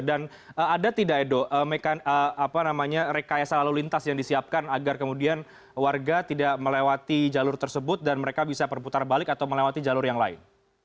dan ada tidak edo rekayasa lalu lintas yang disiapkan agar kemudian warga tidak melewati jalur tersebut dan mereka bisa perputar balik atau melewati jalur yang lain